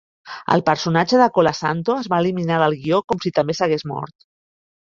El personatge de Colasanto es va eliminar del guió com si també s'hagués mort.